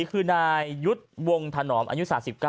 คือนายยุทธ์วงถนอมอายุ๓๙